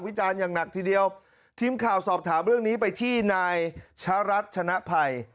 จารณ์อย่างหนักทีเดียวทีมข่าวสอบถามเรื่องนี้ไปที่นายชะรัฐชนะภัย